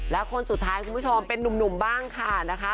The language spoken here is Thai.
และคนสุดท้ายคุณผู้ชมเป็นนุ่มบ้างค่ะนะคะ